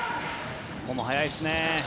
ここも速いですね。